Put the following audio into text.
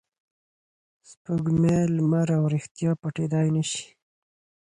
سپوږمۍ، لمر او ریښتیا پټېدای نه شي.